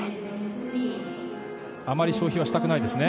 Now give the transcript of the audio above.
あまり消費はしたくないですね。